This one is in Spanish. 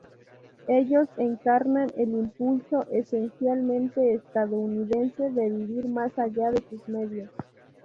Ellos encarnan el impulso esencialmente estadounidense de vivir más allá de sus medios.